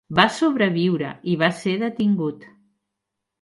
Va sobreviure i va ser detingut.